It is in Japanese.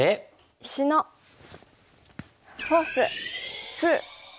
「石のフォース２」。